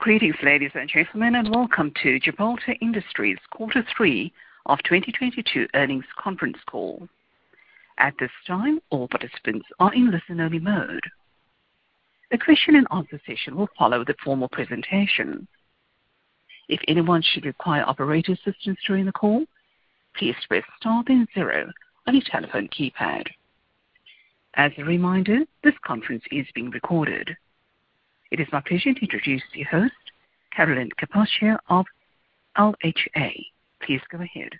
Greetings, ladies and gentlemen, and welcome to Gibraltar Industries' Q3 of 2022 earnings conference call. At this time, all participants are in listen-only mode. A question-and-answer session will follow the formal presentation. If anyone should require operator assistance during the call, please press star then zero on your telephone keypad. As a reminder, this conference is being recorded. It is my pleasure to introduce your host, Carolyn Capaccio of LHA. Please go ahead.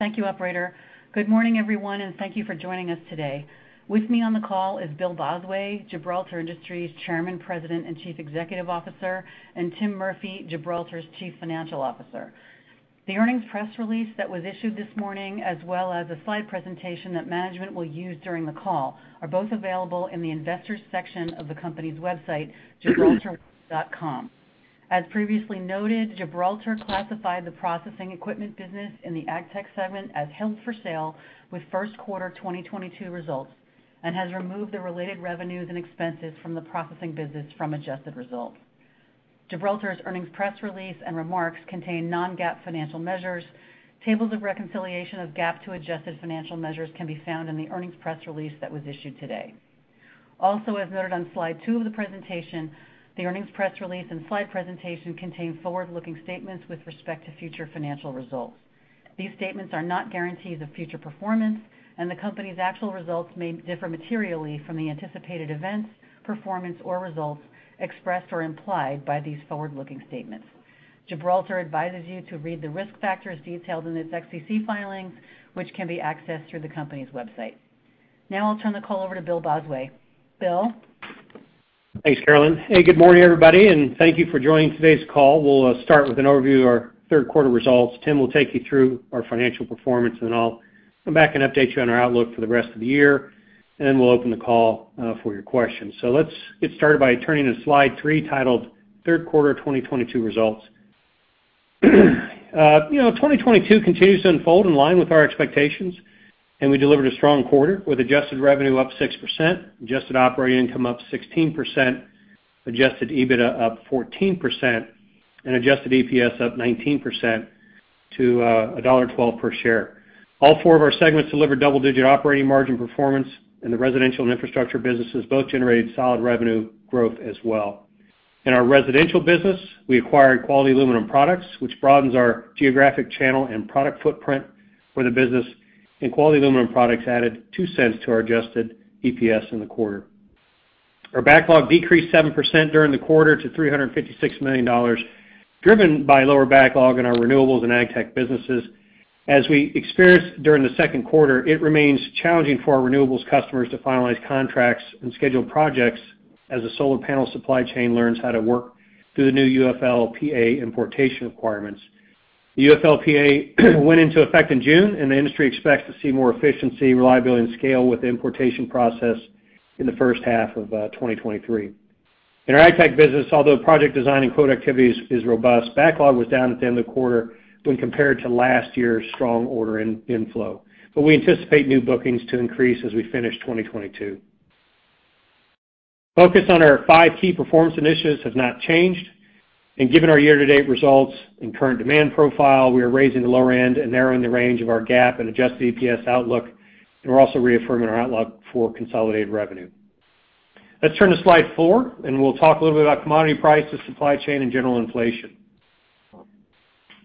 Thank you, operator. Good morning, everyone, and thank you for joining us today. With me on the call is Bill Bosway, Gibraltar Industries' Chairman, President, and Chief Executive Officer, and Tim Murphy, Gibraltar's Chief Financial Officer. The earnings press release that was issued this morning, as well as a slide presentation that management will use during the call, are both available in the investors section of the company's website, gibraltar.com. As previously noted, Gibraltar classified the processing equipment business in the AgTech segment as held for sale with Q1 2022 results and has removed the related revenues and expenses from the processing business from adjusted results. Gibraltar's earnings press release and remarks contain non-GAAP financial measures. Tables of reconciliation of GAAP to adjusted financial measures can be found in the earnings press release that was issued today. Also, as noted on Slide 2 of the presentation, the earnings press release and slide presentation contain forward-looking statements with respect to future financial results. These statements are not guarantees of future performance, and the Company's actual results may differ materially from the anticipated events, performance, or results expressed or implied by these forward-looking statements. Gibraltar advises you to read the risk factors detailed in its SEC filings, which can be accessed through the company's website. Now I'll turn the call over to Bill Bosway. Bill? Thanks, Carolyn. Hey, good morning, everybody, and thank you for joining today's call. We'll start with an overview of our Q3 results. Tim will take you through our financial performance, and then I'll come back and update you on our outlook for the rest of the year. Then we'll open the call for your questions. Let's get started by turning to Slide 3, titled Q3 2022 Results. 2022 continues to unfold in line with our expectations, and we delivered a strong quarter with adjusted revenue up 6%, adjusted operating income up 16%, adjusted EBITDA up 14%, and adjusted EPS up 19% to $1.12 per share. All four of our segments delivered double-digit operating margin performance, and the residential and infrastructure businesses both generated solid revenue growth as well. In our residential business, we acquired Quality Aluminum Products, which broadens our geographic channel and product footprint for the business, and Quality Aluminum Products added $0.02 to our adjusted EPS in the quarter. Our backlog decreased 7% during the quarter to $356 million, driven by lower backlog in our renewables and AgTech businesses. As we experienced during Q2, it remains challenging for our renewables customers to finalize contracts and schedule projects as the solar panel supply chain learns how to work through the new UFLPA importation requirements. The UFLPA went into effect in June, and the industry expects to see more efficiency, reliability, and scale with the importation process in the first half of 2023. In our AgTech business, although project design and quote activities is robust, backlog was down at the end of the quarter when compared to last year's strong order inflow. We anticipate new bookings to increase as we finish 2022. Focus on our five key performance initiatives has not changed. Given our year-to-date results and current demand profile, we are raising the lower end and narrowing the range of our GAAP and adjusted EPS outlook, and we're also reaffirming our outlook for consolidated revenue. Let's turn to Slide 4, and we'll talk a little bit about commodity prices, supply chain, and general inflation.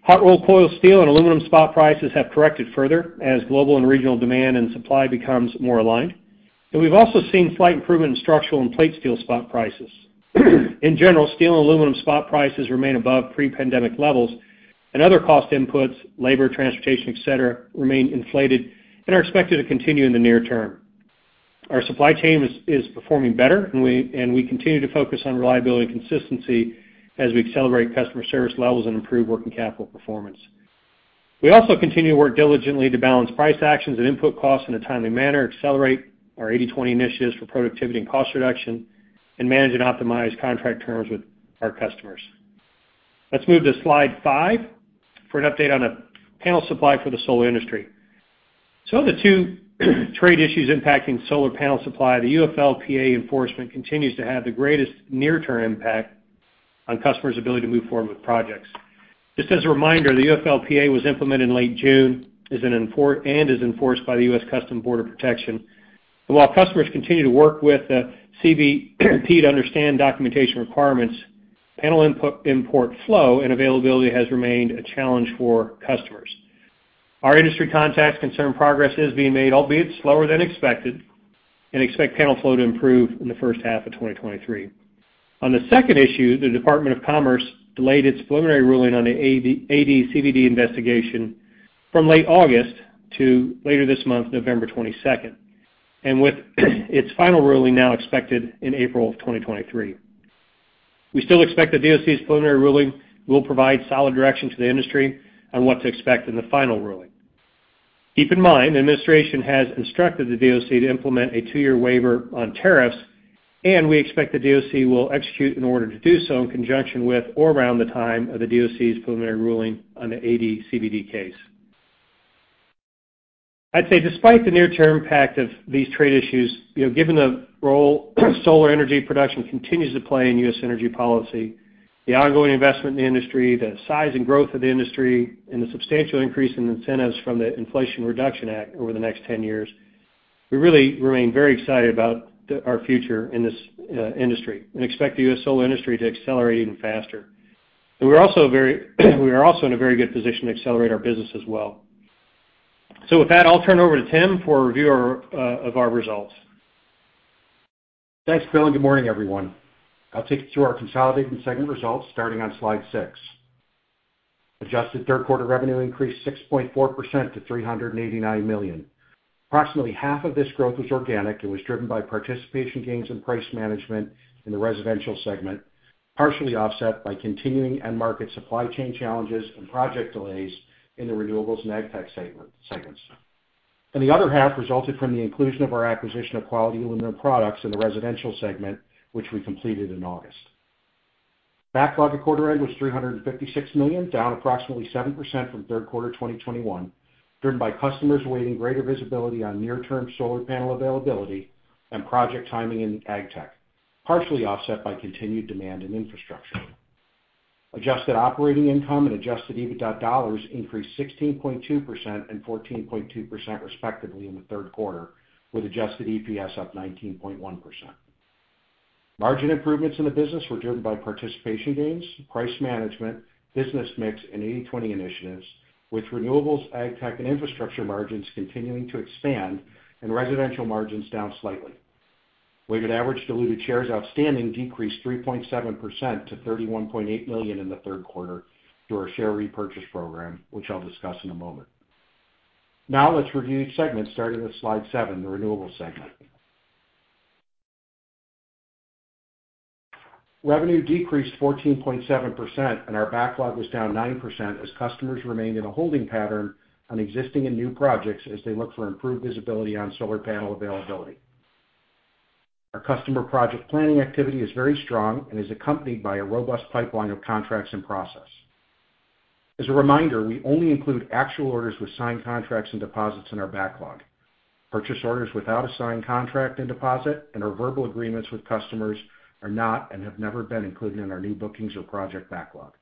Hot-rolled coil steel and aluminum spot prices have corrected further as global and regional demand and supply becomes more aligned. We've also seen slight improvement in structural and plate steel spot prices. In general, steel and aluminum spot prices remain above pre-pandemic levels, and other cost inputs, labor, transportation, et cetera, remain inflated and are expected to continue in the near term. Our supply chain is performing better, and we continue to focus on reliability and consistency as we accelerate customer service levels and improve working capital performance. We also continue to work diligently to balance price actions and input costs in a timely manner, accelerate our 80/20 initiatives for productivity and cost reduction, and manage and optimize contract terms with our customers. Let's move to Slide 5 for an update on the panel supply for the solar industry. Of the two trade issues impacting solar panel supply, the UFLPA enforcement continues to have the greatest near-term impact on customers' ability to move forward with projects. Just as a reminder, the UFLPA was implemented in late June and is enforced by the U.S. Customs and Border Protection. While customers continue to work with the CBP to understand documentation requirements, panel import flow and availability has remained a challenge for customers. Our industry contacts confirm progress is being made, albeit slower than expected, and expect panel flow to improve in the first half of 2023. On the second issue, the Department of Commerce delayed its preliminary ruling on the AD/CVD investigation from late August to later this month, November 22, with its final ruling now expected in April 2023. We still expect the DOC's preliminary ruling will provide solid direction to the industry on what to expect in the final ruling. Keep in mind, the administration has instructed the DOC to implement a two-year waiver on tariffs, and we expect the DOC will execute an order to do so in conjunction with or around the time of the DOC's preliminary ruling on the AD/CVD case. I'd say despite the near-term impact of these trade issues, given the role solar energy production continues to play in U.S. energy policy, the ongoing investment in the industry, the size and growth of the industry, and the substantial increase in incentives from the Inflation Reduction Act over the next 10 years, we really remain very excited about our future in this industry and expect the U.S. solar industry to accelerate even faster. We are also in a very good position to accelerate our business as well. With that, I'll turn it over to Tim for a review of our results. Thanks, Bill, and good morning, everyone. I'll take you through our consolidated segment results starting on Slide 6. Adjusted Q3 revenue increased 6.4% to $389 million. Approximately half of this growth was organic and was driven by participation gains and price management in the residential segment, partially offset by continuing end market supply chain challenges and project delays in the renewables and AgTech segments. The other half resulted from the inclusion of our acquisition of Quality Aluminum Products in the residential segment, which we completed in August. Backlog at quarter end was $356 million, down approximately 7% from Q3 2021, driven by customers awaiting greater visibility on near-term solar panel availability and project timing in AgTech, partially offset by continued demand in infrastructure. Adjusted operating income and adjusted EBITDA dollars increased 16.2% and 14.2%, respectively, in Q3, with adjusted EPS up 19.1%. Margin improvements in the business were driven by participation gains, price management, business mix, and 80/20 initiatives, with renewables, AgTech, and infrastructure margins continuing to expand and residential margins down slightly. Weighted average diluted shares outstanding decreased 3.7% to 31.8 million in Q3 through our share repurchase program, which I'll discuss in a moment. Now let's review each segment starting with Slide 7, the renewables segment. Revenue decreased 14.7% and our backlog was down 9% as customers remained in a holding pattern on existing and new projects as they look for improved visibility on solar panel availability. Our customer project planning activity is very strong and is accompanied by a robust pipeline of contracts in process. As a reminder, we only include actual orders with signed contracts and deposits in our backlog. Purchase orders without a signed contract and deposit and our verbal agreements with customers are not and have never been included in our new bookings or project backlog.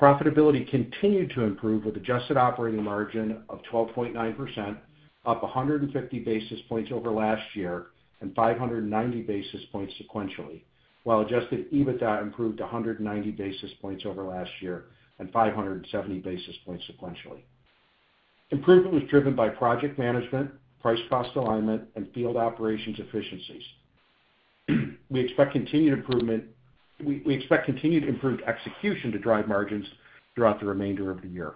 Profitability continued to improve with adjusted operating margin of 12.9%, up 150 basis points over last year and 590 basis points sequentially, while adjusted EBITDA improved 190 basis points over last year and 570 basis points sequentially. Improvement was driven by project management, price-cost alignment, and field operations efficiencies. We expect continued improved execution to drive margins throughout the remainder of the year.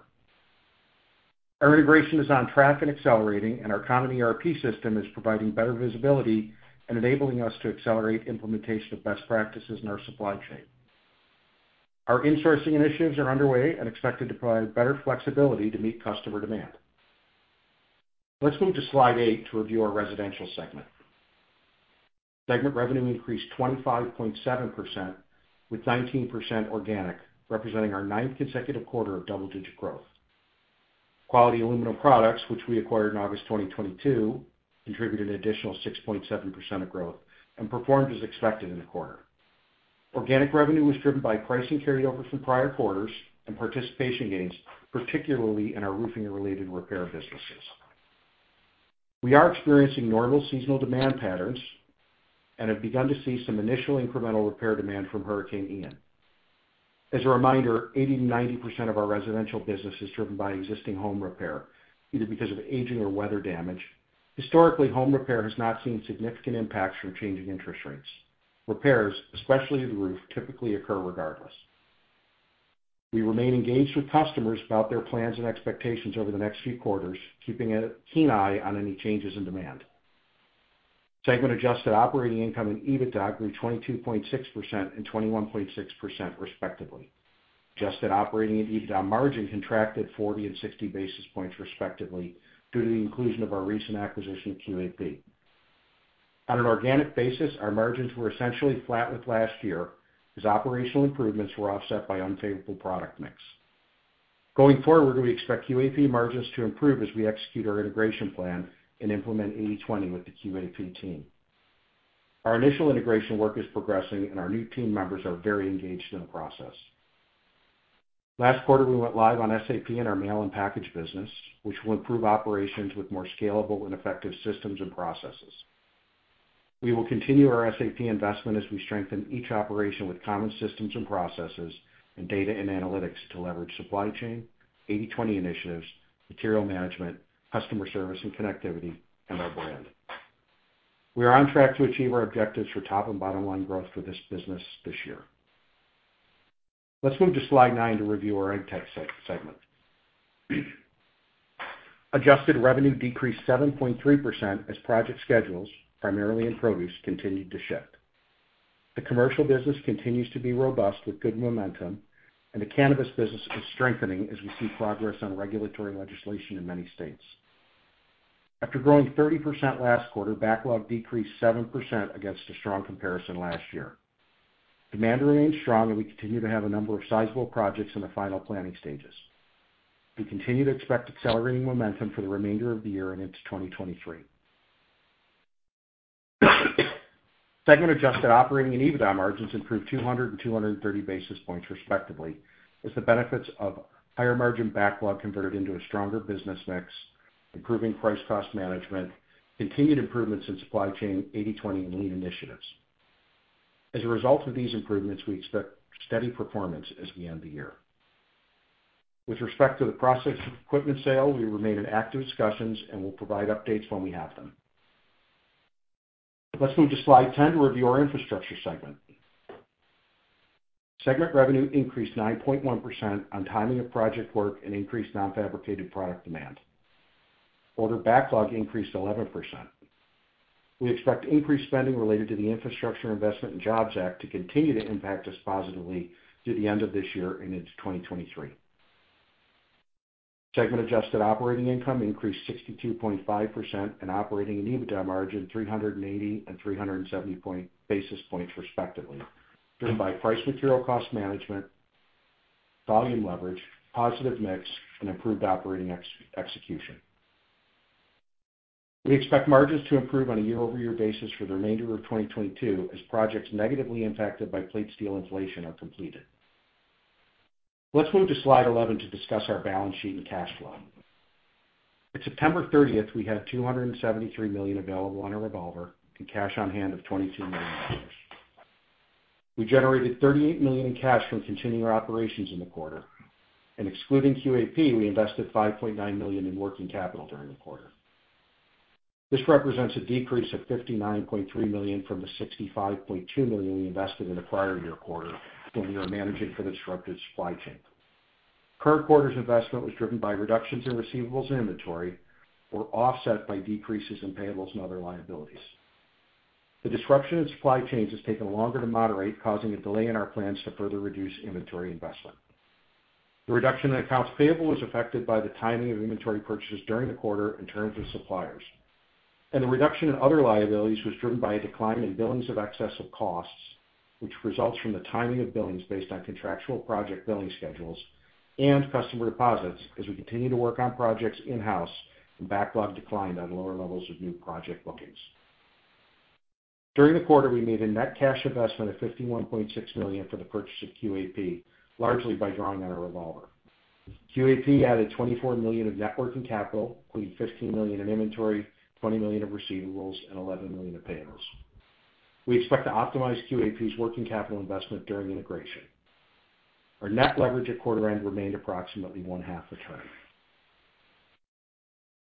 Our integration is on track and accelerating, and our common ERP system is providing better visibility and enabling us to accelerate implementation of best practices in our supply chain. Our insourcing initiatives are underway and expected to provide better flexibility to meet customer demand. Let's move to Slide 8 to review our residential segment. Segment revenue increased 25.7% with 19% organic, representing our ninth consecutive quarter of double-digit growth. Quality Aluminum Products, which we acquired in August 2022, contributed an additional 6.7% of growth and performed as expected in the quarter. Organic revenue was driven by pricing carryover from prior quarters and participation gains, particularly in our roofing-related repair businesses. We are experiencing normal seasonal demand patterns and have begun to see some initial incremental repair demand from Hurricane Ian. As a reminder, 80%-90% of our residential business is driven by existing home repair, either because of aging or weather damage. Historically, home repair has not seen significant impacts from changing interest rates. Repairs, especially the roof, typically occur regardless. We remain engaged with customers about their plans and expectations over the next few quarters, keeping a keen eye on any changes in demand. Segment adjusted operating income and EBITDA grew 22.6% and 21.6%, respectively. Adjusted operating and EBITDA margin contracted 40 and 60 basis points, respectively, due to the inclusion of our recent acquisition, QAP. On an organic basis, our margins were essentially flat with last year as operational improvements were offset by unfavorable product mix. Going forward, we expect QAP margins to improve as we execute our integration plan and implement 80/20 with the QAP team. Our initial integration work is progressing, and our new team members are very engaged in the process. Last quarter, we went live on SAP in our mail and package business, which will improve operations with more scalable and effective systems and processes. We will continue our SAP investment as we strengthen each operation with common systems and processes and data and analytics to leverage supply chain, 80/20 initiatives, material management, customer service and connectivity, and our brand. We are on track to achieve our objectives for top and bottom line growth for this business this year. Let's move to Slide 9 to review our AgTech segment. Adjusted revenue decreased 7.3% as project schedules, primarily in produce, continued to shift. The commercial business continues to be robust with good momentum, and the cannabis business is strengthening as we see progress on regulatory legislation in many states. After growing 30% last quarter, backlog decreased 7% against a strong comparison last year. Demand remains strong, and we continue to have a number of sizable projects in the final planning stages. We continue to expect accelerating momentum for the remainder of the year and into 2023. Segment adjusted operating and EBITDA margins improved 200 and 230 basis points respectively, as the benefits of higher-margin backlog converted into a stronger business mix, improving price cost management, continued improvements in supply chain, 80/20 lean initiatives. As a result of these improvements, we expect steady performance as we end the year. With respect to the process of equipment sale, we remain in active discussions and we'll provide updates when we have them. Let's move to Slide 10 to review our infrastructure segment. Segment revenue increased 9.1% on timing of project work and increased non-fabricated product demand. Order backlog increased 11%. We expect increased spending related to the Infrastructure Investment and Jobs Act to continue to impact us positively through the end of this year and into 2023. Segment adjusted operating income increased 62.5% and operating and EBITDA margin 380 and 370 basis points respectively, driven by price material cost management, volume leverage, positive mix, and improved operating execution. We expect margins to improve on a year-over-year basis for the remainder of 2022 as projects negatively impacted by plate steel inflation are completed. Let's move to Slide 11 to discuss our balance sheet and cash flow. At September 30, we had $273 million available on our revolver and cash on hand of $22 million. We generated $38 million in cash from continuing our operations in the quarter, and excluding QAP, we invested $5.9 million in working capital during the quarter. This represents a decrease of $59.3 million from the $65.2 million we invested in the prior year quarter when we were managing for the disrupted supply chain. Current quarter's investment was driven by reductions in receivables and inventory, were offset by decreases in payables and other liabilities. The disruption in supply chains has taken longer to moderate, causing a delay in our plans to further reduce inventory investment. The reduction in accounts payable was affected by the timing of inventory purchases during the quarter in terms of suppliers. The reduction in other liabilities was driven by a decline in billings in excess of costs, which results from the timing of billings based on contractual project billing schedules and customer deposits as we continue to work on projects in-house and backlog declined on lower levels of new project bookings. During the quarter, we made a net cash investment of $51.6 million for the purchase of QAP, largely by drawing on our revolver. QAP added $24 million of net working capital, including $15 million in inventory, $20 million of receivables, and $11 million of payables. We expect to optimize QAP's working capital investment during integration. Our net leverage at quarter end remained approximately one-half turn.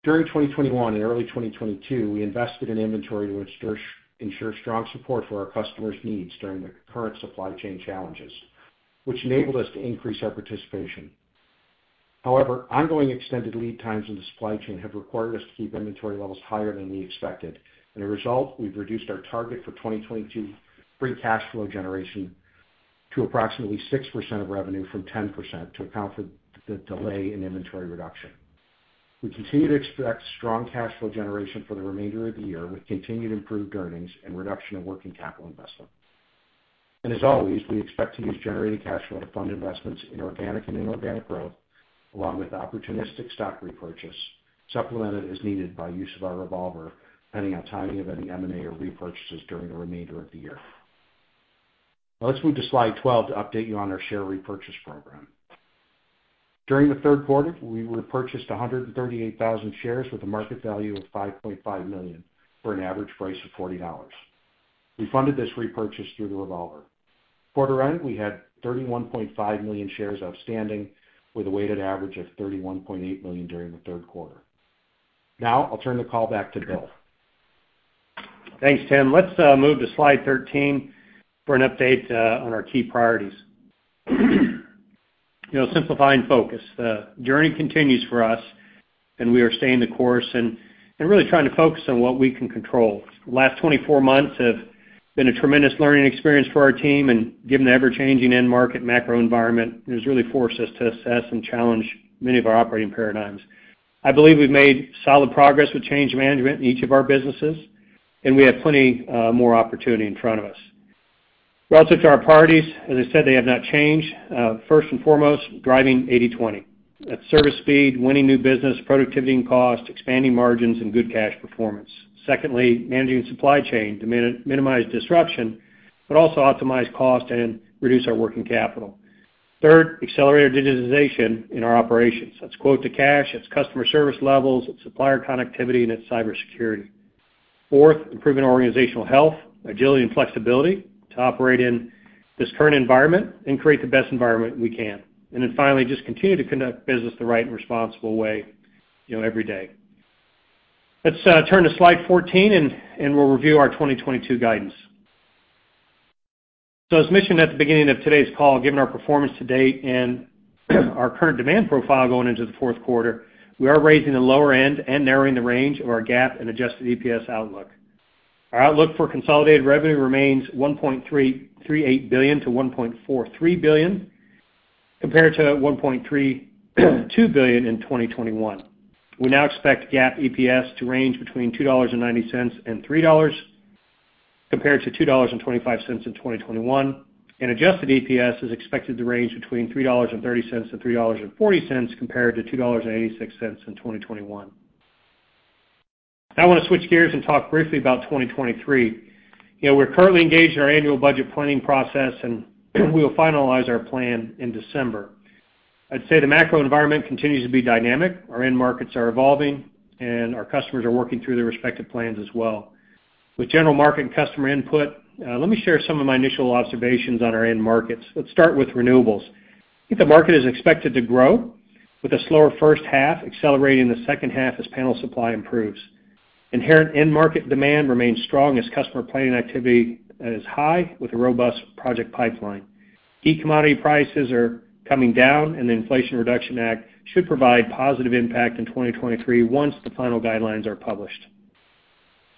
During 2021 and early 2022, we invested in inventory to ensure strong support for our customers' needs during the current supply chain challenges, which enabled us to increase our participation. However, ongoing extended lead times in the supply chain have required us to keep inventory levels higher than we expected. As a result, we've reduced our target for 2022 free cash flow generation to approximately 6% of revenue from 10% to account for the delay in inventory reduction. We continue to expect strong cash flow generation for the remainder of the year, with continued improved earnings and reduction in working capital investment. As always, we expect to use generated cash flow to fund investments in organic and inorganic growth, along with opportunistic stock repurchase, supplemented as needed by use of our revolver, depending on timing of any M&A or repurchases during the remainder of the year. Now let's move to Slide 12 to update you on our share repurchase program. During Q3, we repurchased 138,000 shares with a market value of $5.5 million, for an average price of $40. We funded this repurchase through the revolver. Quarter end, we had 31.5 million shares outstanding with a weighted average of 31.8 million during Q3. Now, I'll turn the call back to Bill. Thanks, Tim. Let's move to Slide 13 for an update on our key priorities. simplifying focus. The journey continues for us, and we are staying the course and really trying to focus on what we can control. The last 24 months have been a tremendous learning experience for our team, and given the ever-changing end market macro environment, it has really forced us to assess and challenge many of our operating paradigms. I believe we've made solid progress with change management in each of our businesses, and we have plenty more opportunity in front of us. Relative to our priorities, as I said, they have not changed. First and foremost, driving 80/20. That's service speed, winning new business, productivity and cost, expanding margins, and good cash performance. Secondly, managing supply chain to minimize disruption, but also optimize cost and reduce our working capital. Third, accelerated digitization in our operations. That's quote to cash, it's customer service levels, it's supplier connectivity, and it's cybersecurity. Fourth, improving organizational health, agility, and flexibility to operate in this current environment and create the best environment we can. Then finally, just continue to conduct business the right and responsible way, every day. Let's turn to Slide 14 and we'll review our 2022 guidance. As mentioned at the beginning of today's call, given our performance to date and our current demand profile going into Q4, we are raising the lower end and narrowing the range of our GAAP and adjusted EPS outlook. Our outlook for consolidated revenue remains $1.338 billion-$1.43 billion. Compared to $1.32 billion in 2021. We now expect GAAP EPS to range between $2.90 and $3.00, compared to $2.25 in 2021, and adjusted EPS is expected to range between $3.30 to $3.40 compared to $2.86 in 2021. Now I want to switch gears and talk briefly about 2023. we're currently engaged in our annual budget planning process, and we'll finalize our plan in December. I'd say the macro environment continues to be dynamic. Our end markets are evolving, and our customers are working through their respective plans as well. With general market and customer input, let me share some of my initial observations on our end markets. Let's start with renewables. I think the market is expected to grow with a slower first half, accelerating the second half as panel supply improves. Inherent end market demand remains strong as customer planning activity is high with a robust project pipeline. Key commodity prices are coming down, and the Inflation Reduction Act should provide positive impact in 2023 once the final guidelines are published.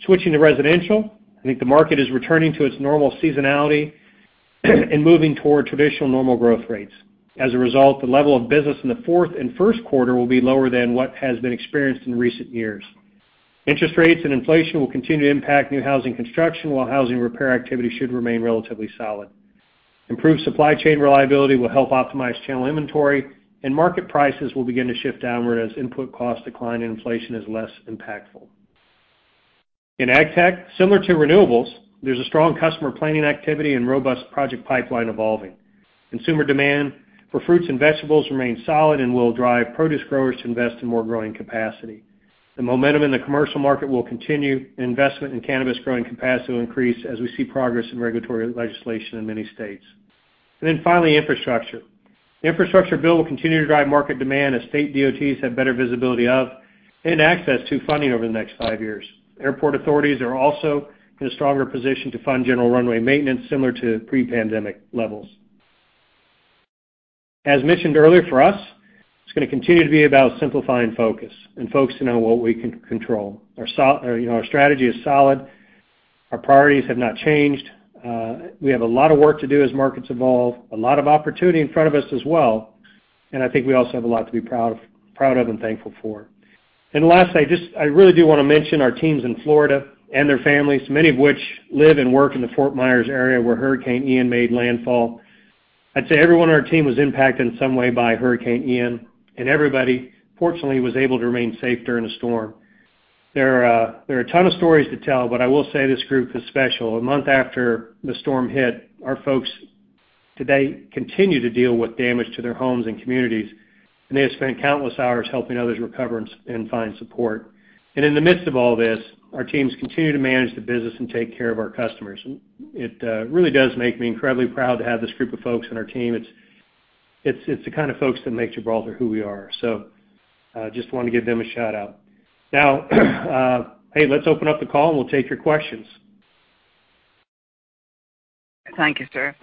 Switching to residential, I think the market is returning to its normal seasonality and moving toward traditional normal growth rates. As a result, the level of business in the fourth and Q1 will be lower than what has been experienced in recent years. Interest rates and inflation will continue to impact new housing construction, while housing repair activity should remain relatively solid. Improved supply chain reliability will help optimize channel inventory, and market prices will begin to shift downward as input costs decline and inflation is less impactful. In AgTech, similar to renewables, there's a strong customer planning activity and robust project pipeline evolving. Consumer demand for fruits and vegetables remains solid and will drive produce growers to invest in more growing capacity. The momentum in the commercial market will continue, and investment in cannabis growing capacity will increase as we see progress in regulatory legislation in many states. Infrastructure. The infrastructure bill will continue to drive market demand as state DOTs have better visibility of and access to funding over the next five years. Airport authorities are also in a stronger position to fund general runway maintenance similar to pre-pandemic levels. As mentioned earlier, for us, it's going to continue to be about simplifying focus and focusing on what we can control. Our strategy is solid. Our priorities have not changed. We have a lot of work to do as markets evolve, a lot of opportunity in front of us as well, and I think we also have a lot to be proud of and thankful for. Last, I really do want to mention our teams in Florida and their families, many of which live and work in the Fort Myers area, where Hurricane Ian made landfall. I'd say everyone on our team was impacted in some way by Hurricane Ian, and everybody, fortunately, was able to remain safe during the storm. There are a ton of stories to tell, but I will say this group is special. A month after the storm hit, our folks today continue to deal with damage to their homes and communities, and they have spent countless hours helping others recover and find support. In the midst of all this, our teams continue to manage the business and take care of our customers. It really does make me incredibly proud to have this group of folks on our team. It's the folks that make Gibraltar who we are. Just want to give them a shout-out. Now, hey, let's open up the call, and we'll take your questions. Thank you, sir.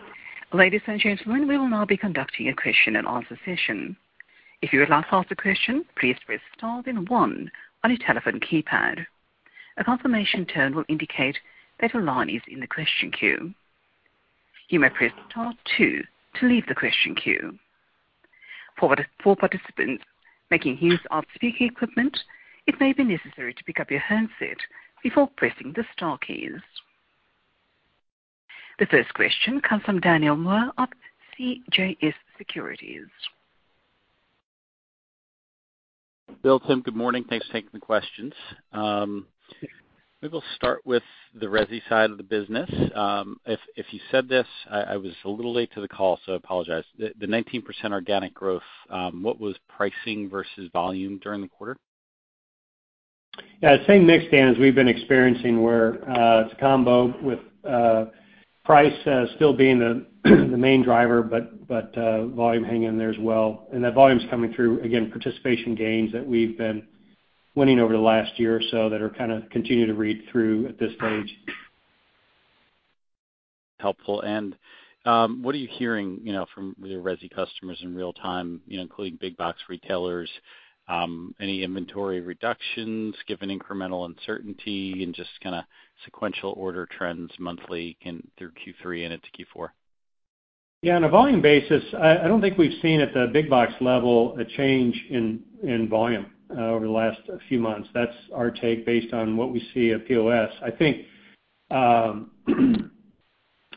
Ladies and gentlemen, we will now be conducting a question and answer session. If you would like to ask a question, please press star then one on your telephone keypad. A confirmation tone will indicate that your line is in the question queue. You may press star two to leave the question queue. For participants making use of speaker equipment, it may be necessary to pick up your handset before pressing the star keys. The first question comes from Daniel Moore of CJS Securities. Bill, Tim, good morning. Thanks for taking the questions. Maybe we'll start with the resi side of the business. If you said this, I was a little late to the call, so I apologize. The 19% organic growth, what was pricing versus volume during the quarter? Yes. Same mix, Dan, as we've been experiencing where it's a combo with price still being the main driver, but volume hanging in there as well. That volume's coming through, again, participation gains that we've been winning over the last year or so that are continuing to read through at this stage. Helpful. What are you hearing from your resi customers in real time, including big box retailers, any inventory reductions given incremental uncertainty and just sequential order trends monthly through Q3 and into Q4? Yes. On a volume basis, I don't think we've seen at the big box level a change in volume over the last few months. That's our take based on what we see at POS. I think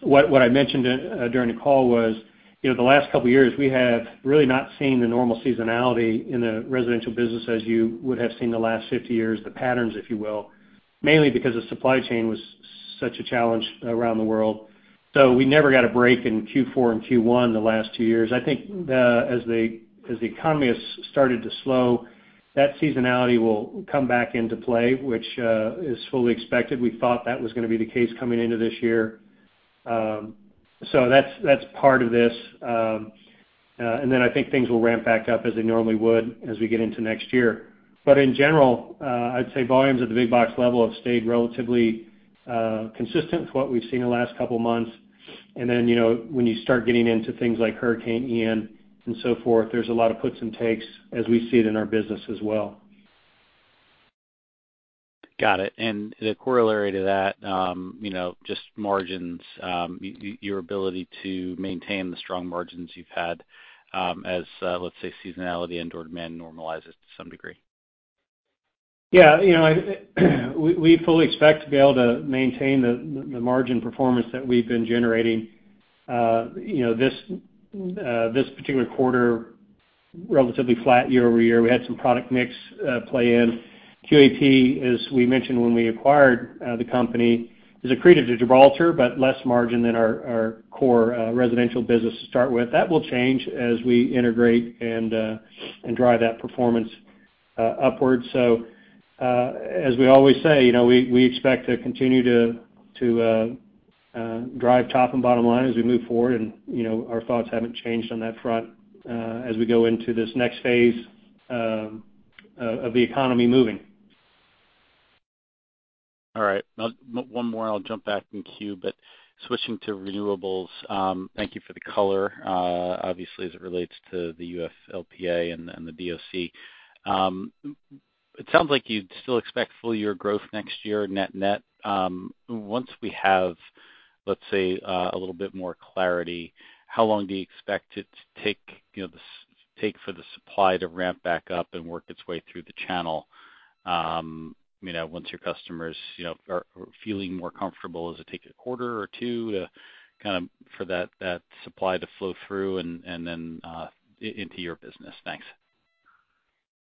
what I mentioned during the call was, the last couple years, we have really not seen the normal seasonality in the residential business as you would have seen the last 50 years, the patterns, if you will, mainly because the supply chain was such a challenge around the world. We never got a break in Q4 and Q1 the last two years. I think as the economy has started to slow, that seasonality will come back into play, which is fully expected. We thought that was going to be the case coming into this year. That's part of this. I think things will ramp back up as they normally would as we get into next year. In general, I'd say volumes at the big box level have stayed relatively consistent with what we've seen in the last couple months. when you start getting into things like Hurricane Ian and so forth, there's a lot of puts and takes as we see it in our business as well. Got it. The corollary to that, just margins, your ability to maintain the strong margins you've had, as, let's say, seasonality and demand normalizes to some degree. Yes. We fully expect to be able to maintain the margin performance that we've been generating. This particular quarter, relatively flat year-over-year. We had some product mix play in. QAP, as we mentioned when we acquired the company, is accretive to Gibraltar, but less margin than our core residential business to start with. That will change as we integrate and drive that performance upwards. As we always say, we expect to continue to drive top and bottom line as we move forward. Our thoughts haven't changed on that front, as we go into this next phase of the economy moving. All right. Now one more and I'll jump back in queue. Switching to renewables, thank you for the color, obviously, as it relates to the UFLPA and the DOC. It sounds like you'd still expect full year growth next year net-net. Once we have, let's say, a little bit more clarity, how long do you expect it to take, for the supply to ramp back up and work its way through the channel, once your customers, are feeling more comfortable? Does it take a quarter or two to for that supply to flow through and then into your business? Thanks.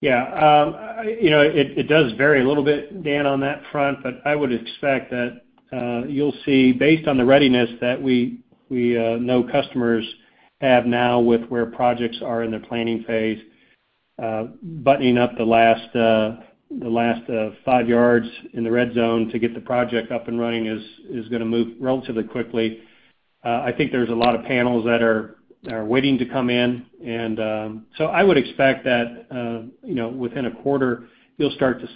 Yes. It does vary a little bit, Dan, on that front. I would expect that you'll see based on the readiness that we know customers have now with where projects are in their planning phase, buttoning up the last five yards in the red zone to get the project up and running is going to move relatively quickly. I think there's a lot of panels that are waiting to come in. I would expect that, within a quarter, I think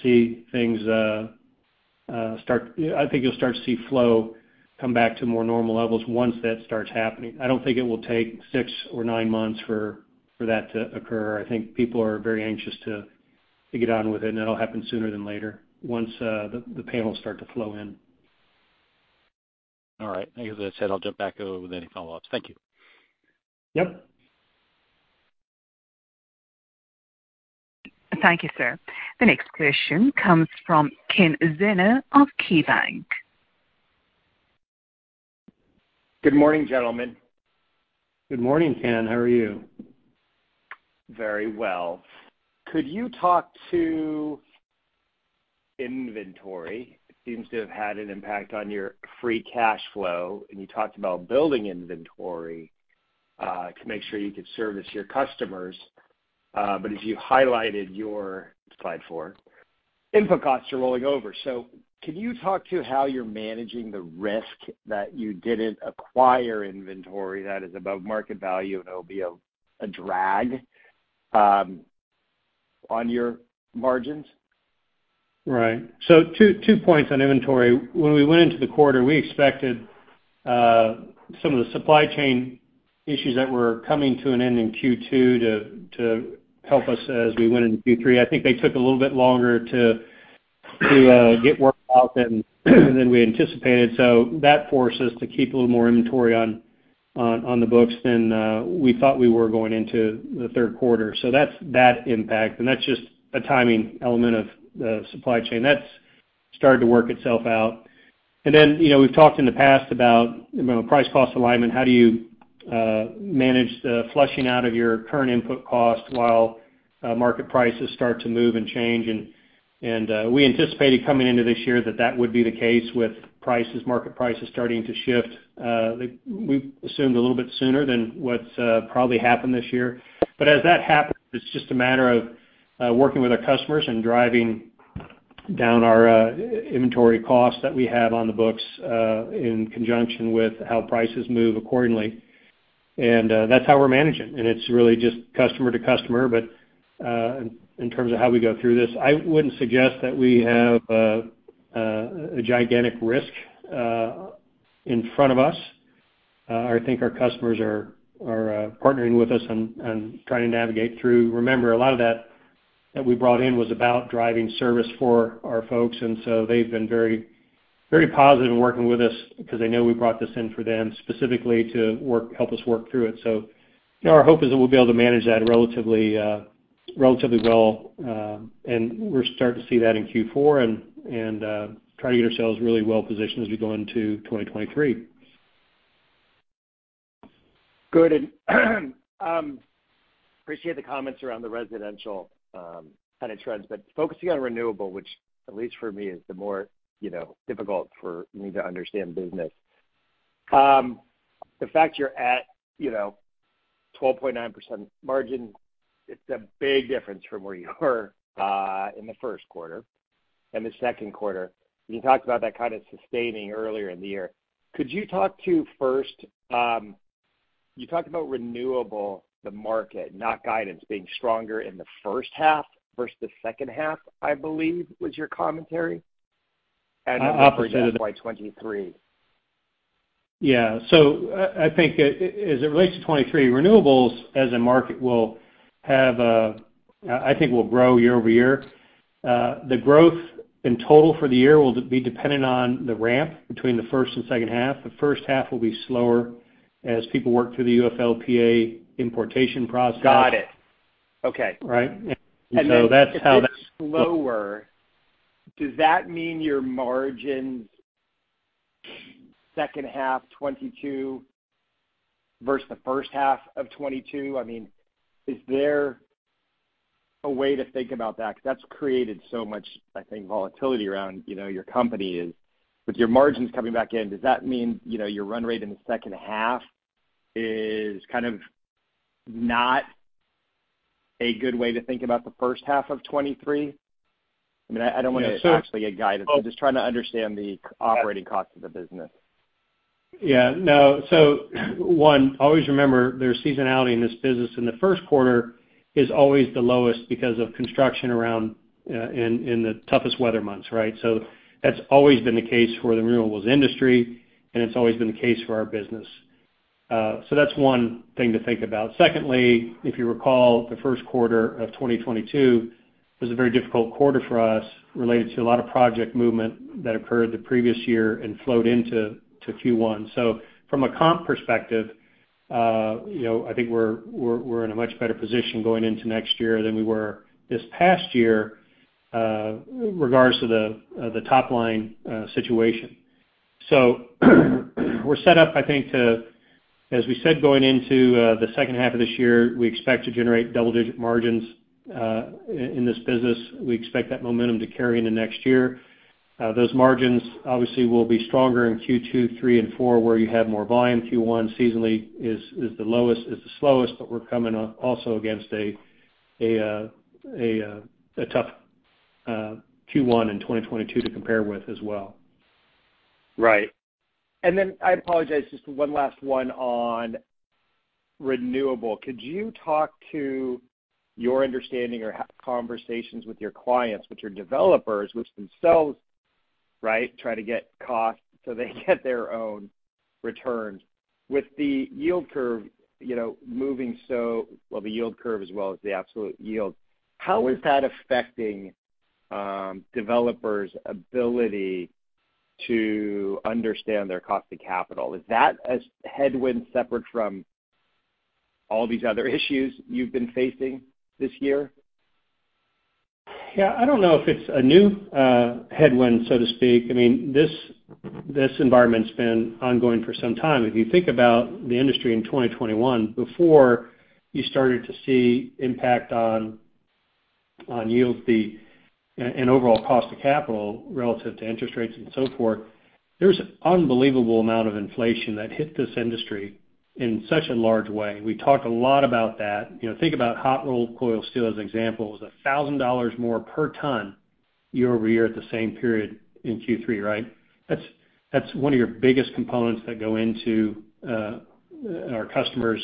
you'll start to see flow come back to more normal levels once that starts happening. I don't think it will take six or nine months for that to occur. I think people are very anxious to get on with it, and it'll happen sooner than later once the panels start to flow in. All right. Like as I said, I'll jump back with any follow-ups. Thank you. Yes. Thank you, sir. The next question comes from Kenneth Zener of KeyBanc. Good morning, gentlemen. Good morning, Ken. How are you? Very well. Could you talk to inventory? It seems to have had an impact on your free cash flow, and you talked about building inventory to make sure you could service your customers, but as you highlighted your Slide 4, input costs are rolling over. Can you talk to how you're managing the risk that you didn't acquire inventory that is above market value and it'll be a drag on your margins? Right. Two points on inventory. When we went into the quarter, we expected some of the supply chain issues that were coming to an end in Q2 to help us as we went into Q3. I think they took a little bit longer to get worked out than we anticipated. That forced us to keep a little more inventory on the books than we thought we were going into Q3. That's that impact, and that's just a timing element of the supply chain. That's started to work itself out. Then, we've talked in the past about, price cost alignment. How do you manage the flushing out of your current input cost while market prices start to move and change? We anticipated coming into this year that would be the case with prices, market prices starting to shift. We assumed a little bit sooner than what's probably happened this year. As that happens, it's just a matter of working with our customers and driving down our inventory costs that we have on the books in conjunction with how prices move accordingly. That's how we're managing. It's really just customer to customer, but in terms of how we go through this. I wouldn't suggest that we have a gigantic risk in front of us. I think our customers are partnering with us and trying to navigate through. Remember, a lot of that we brought in was about driving service for our folks. They've been very positive in working with us because they know we brought this in for them specifically to help us work through it. Our hope is that we'll be able to manage that relatively well. We're starting to see that in Q4 and try to get ourselves really well positioned as we go into 2023. Good. Appreciate the comments around the residential trends. Focusing on renewable, which at least for me, is the more difficult for me to understand business. The fact you're at 12.9% margin, it's a big difference from where you were in Q1 and Q2. You talked about that sustaining earlier in the year. You talked about renewable, the market, not guidance, being stronger in the first half versus the second half, I believe was your commentary. Why 2023? Yes. I think as it relates to 2023, renewables as a market will grow year-over-year. The growth in total for the year will be dependent on the ramp between the first and second half. The first half will be slower as people work through the UFLPA importation process. Got it. Okay. That's how that... If it's slower, does that mean your margins second half 2022 versus the first half of 2022? is there a way to think about that? Because that's created so much, I think, volatility around, your company is. With your margins coming back in, does that mean your run rate in the second half is not a good way to think about the first half of 2023? I don't want to actually get guidance. I'm just trying to understand the operating costs of the business. No. One, always remember there's seasonality in this business, and Q1 is always the lowest because of construction around in the toughest weather months, right? That's always been the case for the renewables industry, and it's always been the case for our business. That's one thing to think about. Secondly, if you recall, Q1 of 2022 was a very difficult quarter for us related to a lot of project movement that occurred the previous year and flowed into Q1. From a comp perspective, I think we're in a much better position going into next year than we were this past year regards to the top line situation. We're set up, I think, to... As we said, going into the second half of this year, we expect to generate double-digit margins in this business. We expect that momentum to carry into next year. Those margins obviously will be stronger in Q2, Q3 and Q4, where you have more volume. Q1 seasonally is the slowest, but we're coming also against a tough Q1 in 2022 to compare with as well. Right. I apologize, just one last one on renewable. Could you talk to your understanding or conversations with your clients, which are developers, which themselves try to get costs so they get their own returns. With the yield curve, moving so. Well, the yield curve as well as the absolute yield, how is that affecting developers' ability to understand their cost of capital? Is that a headwind separate from all these other issues you've been facing this year? Yes, I don't know if it's a new headwind, so to speak. This environment's been ongoing for some time. If you think about the industry in 2021, before you started to see impact on yields, overall cost of capital relative to interest rates and so forth, there's an unbelievable amount of inflation that hit this industry in such a large way. We talk a lot about that. think about hot rolled coil steel as an example, was $1,000 more per ton year-over-year at the same period in Q3, right? That's one of your biggest components that go into our customers'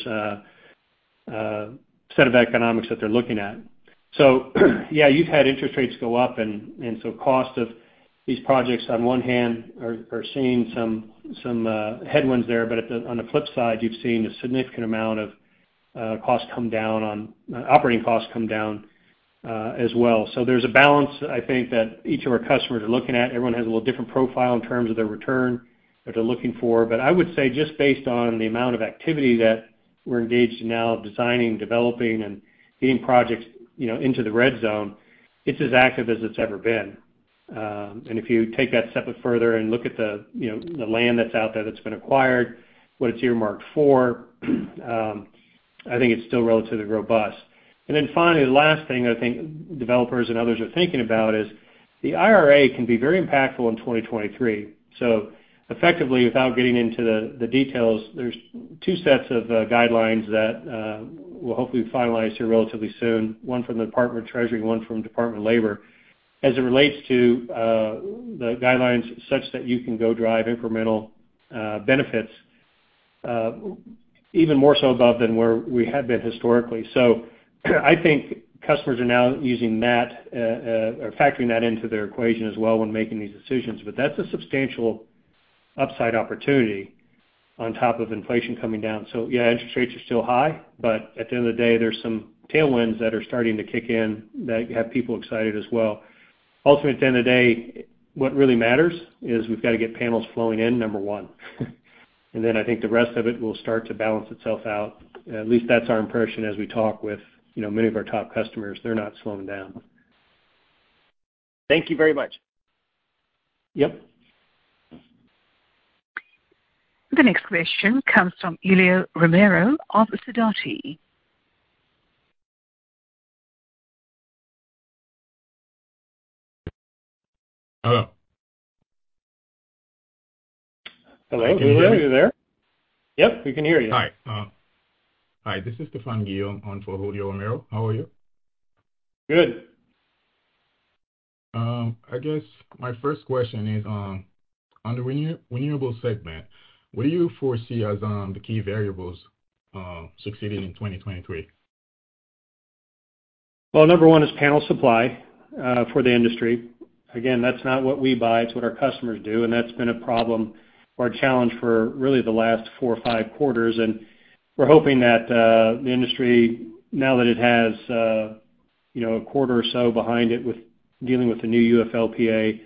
set of economics that they're looking at. Yes, you've had interest rates go up, and so cost of these projects, on one hand, are seeing some headwinds there. On the flip side, you've seen a significant amount of operating costs come down as well. There's a balance, I think, that each of our customers are looking at. Everyone has a little different profile in terms of their return that they're looking for. I would say just based on the amount of activity that we're engaged in now, designing, developing, and getting projects, into the red zone, it's as active as it's ever been. If you take that a step further and look at the land that's out there that's been acquired, what it's earmarked for, I think it's still relatively robust. Then finally, the last thing that I think developers and others are thinking about is the IRA can be very impactful in 2023. Effectively, without getting into the details, there's two sets of guidelines that we'll hopefully finalize here relatively soon, one from the Department of the Treasury, one from the Department of Labor, as it relates to the guidelines such that you can go drive incremental benefits even more so above than where we had been historically. I think customers are now using that or factoring that into their equation as well when making these decisions. That's a substantial upside opportunity on top of inflation coming down. Interest rates are still high, but at the end of the day, there's some tailwinds that are starting to kick in that have people excited as well. Ultimately, at the end of the day, what really matters is we've got to get panels flowing in, number one. Then I think the rest of it will start to balance itself out. At least that's our impression as we talk with many of our top customers. They're not slowing down. Thank you very much. Yes. The next question comes from Julio Romero of Sidoti. Hello? Hello. Can you hear me there? Yep, we can hear you. Hi. This is Stefano Guillaume for Julio Romero. How are you? Good. I guess my first question is on the renewable segment, what do you foresee as the key variables succeeding in 2023? Well, number one is panel supply for the industry. Again, that's not what we buy, it's what our customers do, and that's been a problem or a challenge for really the last four or five quarters. We're hoping that the industry, now that it has a quarter or so behind it with dealing with the new UFLPA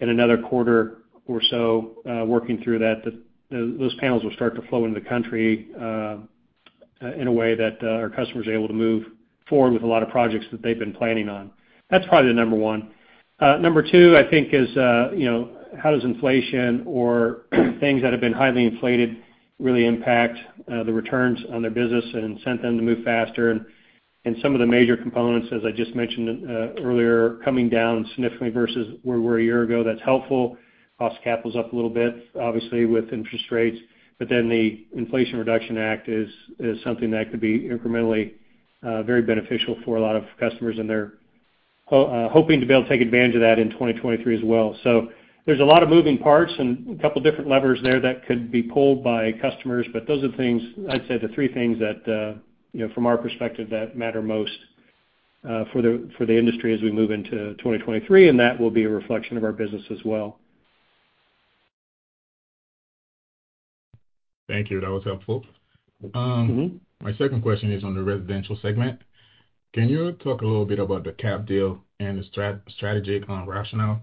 and another quarter or so working through that, those panels will start to flow into the country in a way that our customers are able to move forward with a lot of projects that they've been planning on. That's probably the number one. Number two, I think is, how does inflation or things that have been highly inflated really impact the returns on their business and incent them to move faster. Some of the major components, as I just mentioned earlier, coming down significantly versus where we were a year ago, that's helpful. Cost of capital is up a little bit, obviously, with interest rates. The Inflation Reduction Act is something that could be incrementally very beneficial for a lot of customers, and they're hoping to be able to take advantage of that in 2023 as well. There's a lot of moving parts and a couple of different levers there that could be pulled by customers. Those are the things, I'd say the three things that, from our perspective, that matter most for the industry as we move into 2023, and that will be a reflection of our business as well. Thank you. That was helpful. My second question is on the residential segment. Can you talk a little bit about the QAP deal and the strategy and rational?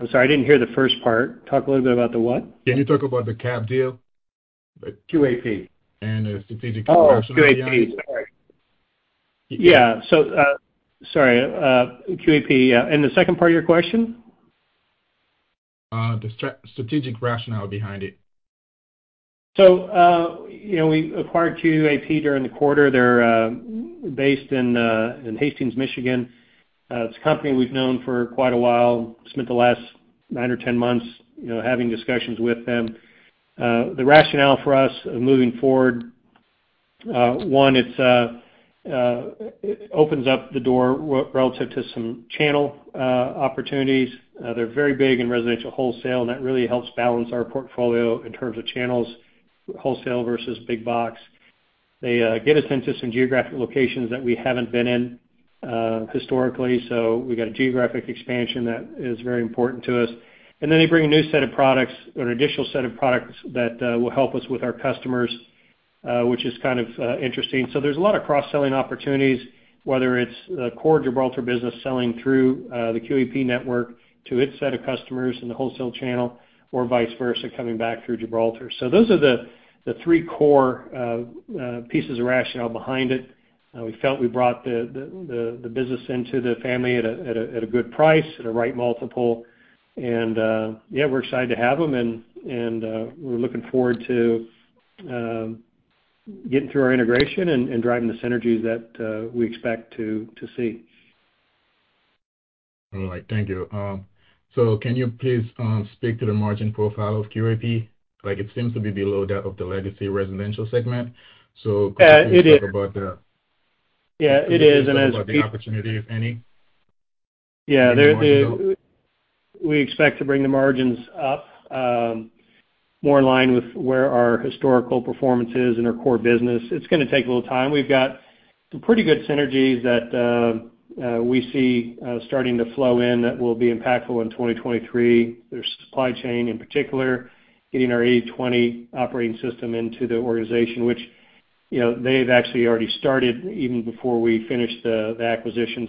I'm sorry, I didn't hear the first part. Talk a little bit about the what? Can you talk about the QAP deal, QAP and the strategic rationale behind it. Sorry, QAP. And the second part of your question? The strategic rationale behind it. We acquired QAP during the quarter. They're based in Hastings, Michigan. It's a company we've known for quite a while. Spent the last nine or 10 months, having discussions with them. The rationale for us moving forward, one, it opens up the door relative to some channel opportunities. They're very big in residential wholesale, and that really helps balance our portfolio in terms of channels, wholesale versus big box. They get us into some geographic locations that we haven't been in historically, so we got a geographic expansion that is very important to us. Then they bring a new set of products or an additional set of products that will help us with our customers, which is interesting. There's a lot of cross-selling opportunities, whether it's the core Gibraltar business selling through the QAP network to its set of customers in the wholesale channel or vice versa, coming back through Gibraltar. Those are the three core pieces of rationale behind it. We felt we brought the business into the family at a good price, at a right multiple. We're excited to have them and we're looking forward to getting through our integration and driving the synergies that we expect to see. All right, thank you. Can you please speak to the margin profile of QAP? It seems to be below that of the legacy residential segment. Could you talk about the opportunity, if any marginal? We expect to bring the margins up, more in line with where our historical performance is in our core business. It's going to take a little time. We've got some pretty good synergies that we see starting to flow in that will be impactful in 2023. Their supply chain, in particular, getting our 80/20 operating system into the organization, which, they've actually already started even before we finished the acquisition.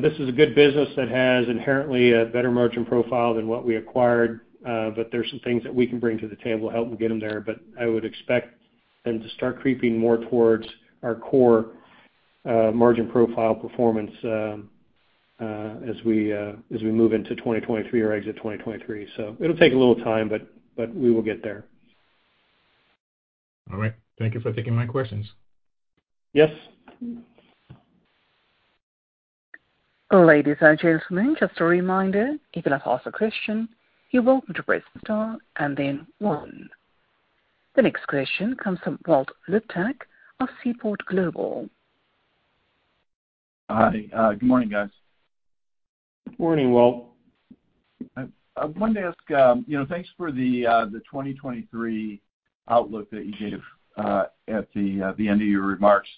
this is a good business that has inherently a better margin profile than what we acquired. There's some things that we can bring to the table to help them get them there. I would expect them to start creeping more towards our core margin profile performance as we move into 2023 or exit 2023. It'll take a little time, but we will get there. All right. Thank you for taking my questions. Yes. Ladies and gentlemen, just a reminder, if you'd like to ask a question, you're welcome to press star and then one. The next question comes from Walt Liptak of Seaport Global. Hi. Good morning, guys. Good morning, Walt. I wanted to ask... Thanks for the 2023 outlook that you gave at the end of your remarks.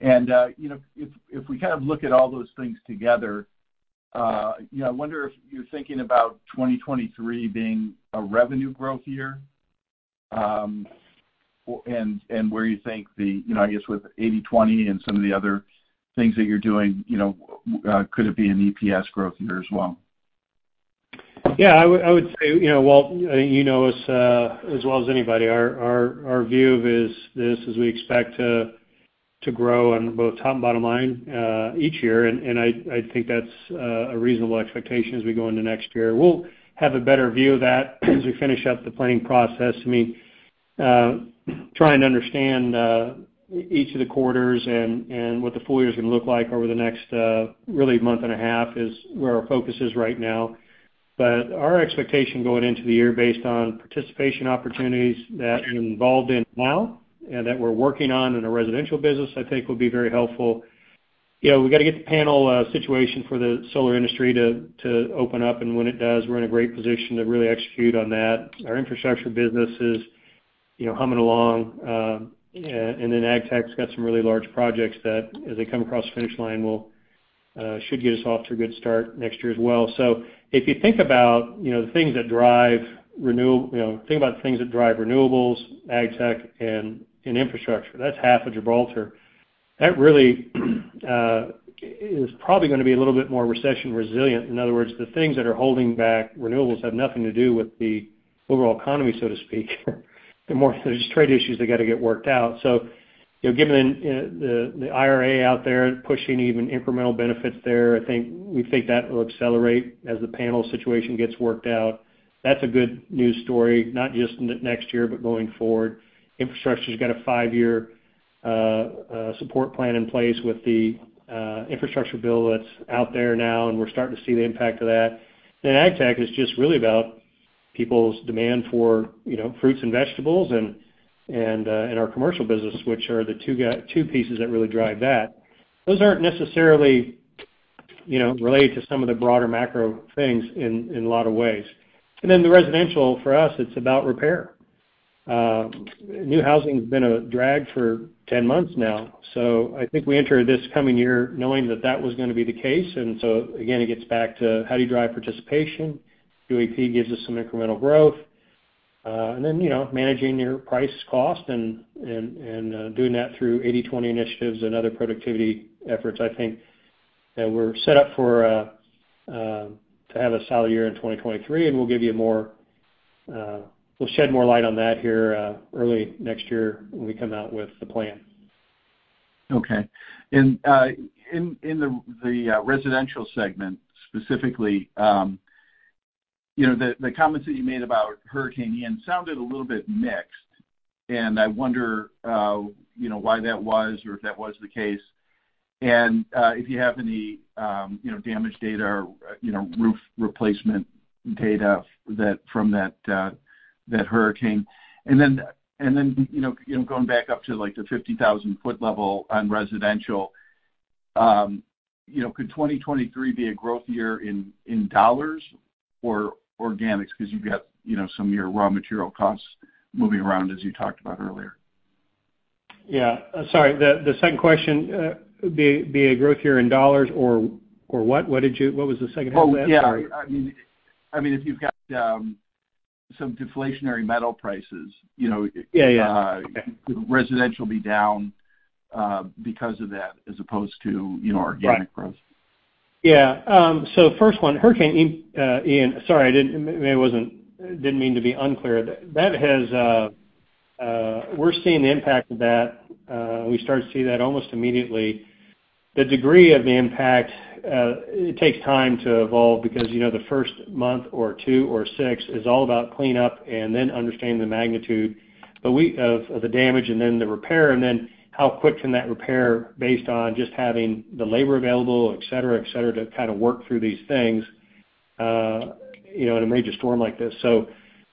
if we look at all those things together, I wonder if you're thinking about 2023 being a revenue growth year, and where you think with 80/20 and some of the other things that you're doing, could it be an EPS growth year as well? Yes. I would say, Walt, you know us as well as anybody, our view is we expect to grow on both top and bottom line each year. I think that's a reasonable expectation as we go into next year. We'll have a better view of that as we finish up the planning process. Trying to understand each of the quarters and what the full year is going to look like over the next really month and a half is where our focus is right now. Our expectation going into the year based on participation opportunities that we're involved in now and that we're working on in the residential business, I think will be very helpful. We got to get the panel situation for the solar industry to open up, and when it does, we're in a great position to really execute on that. Our infrastructure business is humming along and then AgTech's got some really large projects that as they come across the finish line should get us off to a good start next year as well. If you think about the things that drive renewables, AgTech, and infrastructure, that's half of Gibraltar. That really is probably going to be a little bit more recession resilient. In other words, the things that are holding back renewables have nothing to do with the overall economy, so to speak. There's trade issues that got to get worked out. given the IRA out there pushing even incremental benefits there, I think we think that will accelerate as the panel situation gets worked out. That's a good news story, not just next year, but going forward. Infrastructure's got a five-year support plan in place with the infrastructure bill that's out there now, and we're starting to see the impact of that. AgTech is just really about people's demand for fruits and vegetables and our commercial business, which are the two pieces that really drive that. Those aren't necessarily related to some of the broader macro things in a lot of ways. Then the residential, for us, it's about repair. New housing's been a drag for 10 months now, so I think we entered this coming year knowing that that was going to be the case. Again, it gets back to how do you drive participation? QAP gives us some incremental growth. Then, managing your price cost and doing that through 80/20 initiatives and other productivity efforts. I think that we're set up to have a solid year in 2023, and we'll shed more light on that here early next year when we come out with the plan. In the residential segment specifically, the comments that you made about Hurricane Ian sounded a little bit mixed, and I wonder why that was or if that was the case. If you have any damage data or roof replacement data from that hurricane. Then, going back up to the 50,000-foot level on residential, could 2023 be a growth year in dollars or organics because you've got some of your raw material costs moving around as you talked about earlier? Yes. Sorry, the second question, be a growth year in dollars or what was the second half of that? Sorry. Yes. If you've got some deflationary metal prices. Yes. Could residential be down because of that as opposed to organic growth? Right. First one, Hurricane Ian... Sorry, I didn't mean to be unclear. We're seeing the impact of that. We started to see that almost immediately. The degree of the impact, it takes time to evolve because, the first month or two or six is all about cleanup and then understanding the magnitude of the damage and then the repair and then how quick can that repair based on just having the labor available, etc., to work through these things, in a major storm like this.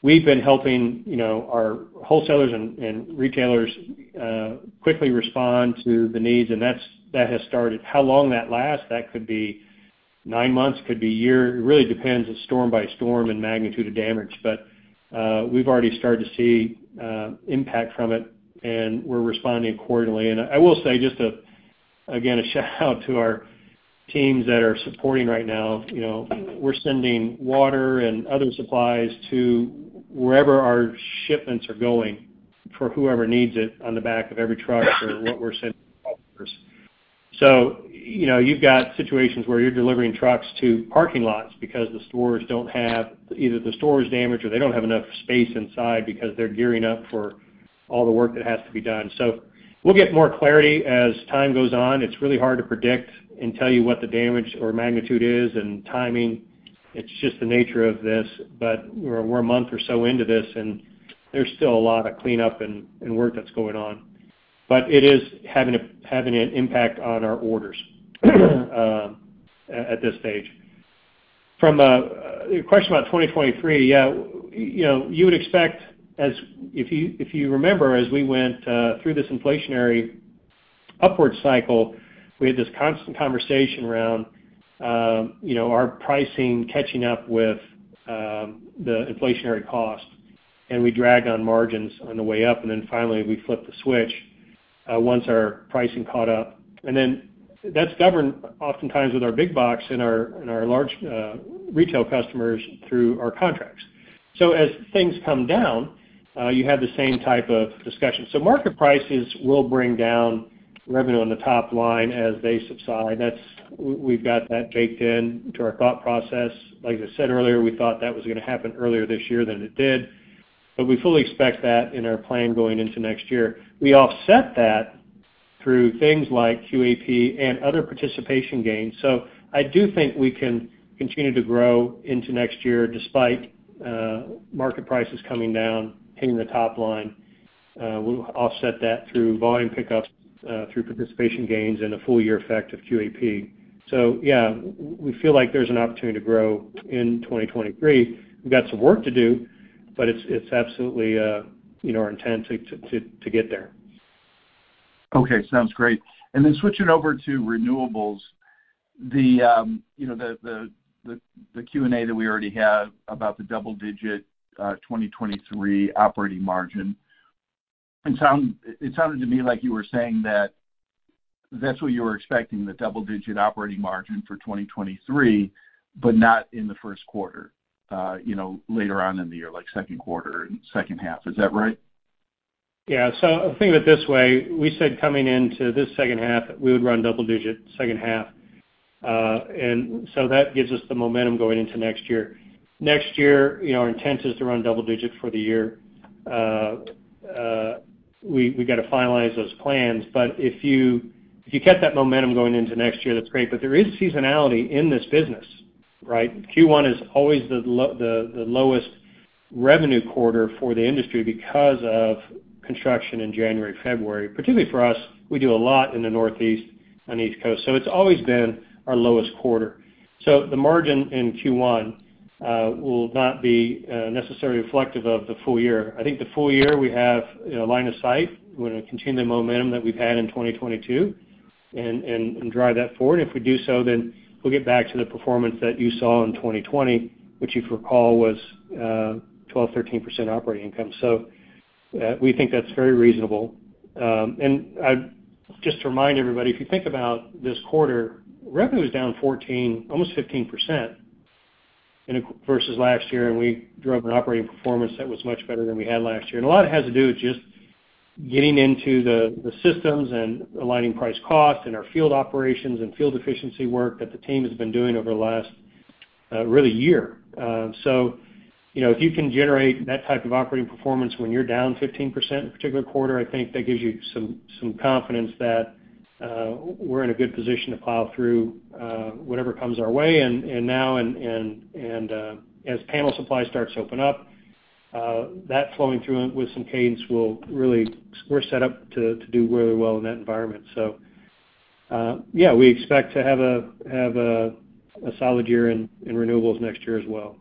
We've been helping our wholesalers and retailers quickly respond to the needs, and that has started. How long that lasts, that could be nine months, could be a year. It really depends storm by storm and magnitude of damage. We've already started to see impact from it, and we're responding accordingly. I will say just, again, a shoutout to our teams that are supporting right now. We're sending water and other supplies to wherever our shipments are going for whoever needs it on the back of every truck for what we're sending. You've got situations where you're delivering trucks to parking lots because the stores don't have either the store is damaged or they don't have enough space inside because they're gearing up for all the work that has to be done. We'll get more clarity as time goes on. It's really hard to predict and tell you what the damage or magnitude is and timing. It's just the nature of this. We're a month or so into this, and there's still a lot of cleanup and work that's going on. It is having an impact on our orders at this stage. From your question about 2023, you would expect as... If you remember as we went through this inflationary upward cycle, we had this constant conversation around our pricing catching up with the inflationary cost, and we dragged on margins on the way up and then finally we flipped the switch once our pricing caught up. Then that's governed oftentimes with our big box and our large retail customers through our contracts. As things come down, you have the same type of discussion. Market prices will bring down revenue on the top line as they subside. We've got that baked into our thought process. Like I said earlier, we thought that was going to happen earlier this year than it did, but we fully expect that in our plan going into next year. We offset that through things like QAP and other participation gains. I do think we can continue to grow into next year despite market prices coming down, hitting the top line. We'll offset that through volume pickups through participation gains and a full year effect of QAP. We feel like there's an opportunity to grow in 2023. We've got some work to do. It's absolutely our intent to get there. Okay, sounds great. Then switching over to renewables, the Q&A that we already had about the double-digit 2023 operating margin, it sounded to me like you were saying that that's what you were expecting, the double-digit operating margin for 2023 but not in Q1, later on in the year, like Q2 and second half. Is that right? Yes. Think of it this way. We said coming into this second half that we would run double-digit second half. That gives us the momentum going into next year. Next year, our intent is to run double-digit for the year. We got to finalize those plans. If you kept that momentum going into next year, that's great. There is seasonality in this business, right? Q1 is always the lowest revenue quarter for the industry because of construction in January, February. Particularly for us, we do a lot in the Northeast on the East Coast, so it's always been our lowest quarter. The margin in Q1 will not be necessarily reflective of the full year. I think the full year we have line of sight. We're going to continue the momentum that we've had in 2022 and drive that forward. If we do so, we'll get back to the performance that you saw in 2020, which you'll recall was 12%-13% operating income. We think that's very reasonable. Just to remind everybody, if you think about this quarter, revenue was down 14%, almost 15% versus last year, and we drove an operating performance that was much better than we had last year. A lot of it has to do with just getting into the systems and aligning price cost and our field operations and field efficiency work that the team has been doing over the last year. If you can generate that type of operating performance when you're down 15% in a particular quarter, I think that gives you some confidence that we're in a good position to plow through whatever comes our way. Now, as panel supply starts to open up, that flowing through with some cadence, we're set up to do really well in that environment. We expect to have a solid year in renewables next year as well.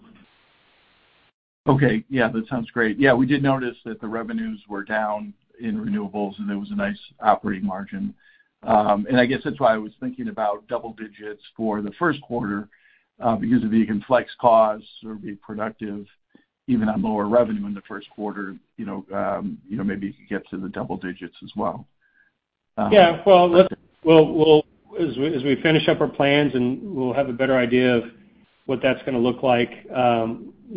Okay. That sounds great. We did notice that the revenues were down in renewables, and there was a nice operating margin. I guess that's why I was thinking about double digits for Q1, because if you can flex costs or be productive even at lower revenue in Q1, maybe you could get to the double digits as well. Well, as we finish up our plans we'll have a better idea of what that's going to look like.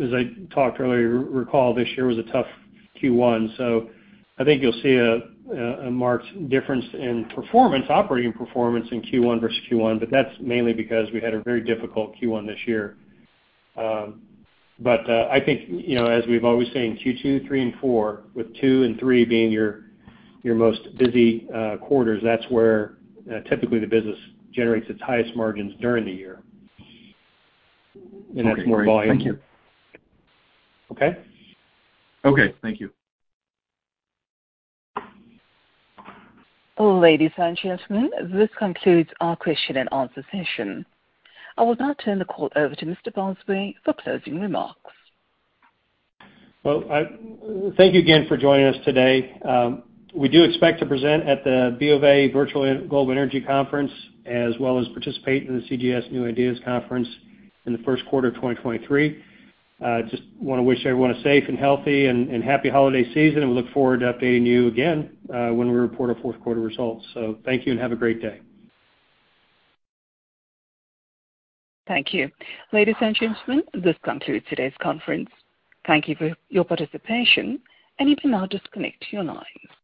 As I talked earlier, recall this year was a tough Q1, so I think you'll see a marked difference in performance, operating performance in Q1 versus Q1, but that's mainly because we had a very difficult Q1 this year. I think, as we've always seen, Q2, Q3, and Q4, with Q2 and Q3 being your most busy quarters, that's where typically the business generates its highest margins during the year. That's more volume. Okay, great. Thank you. Okay. Okay. Thank you. Ladies and gentlemen, this concludes our question-and-answer session. I will now turn the call over to Mr. Bosway for closing remarks. Well, thank you again for joining us today. We do expect to present at the BofA Virtual Global Energy Conference as well as participate in the CJS New Ideas Conference in Q1 of 2023. Just want to wish everyone a safe and healthy and happy holiday season, and we look forward to updating you again when we report our Q4 results. Thank you and have a great day. Thank you. Ladies and gentlemen, this concludes today's conference. Thank you for your participation, and you can now disconnect your lines.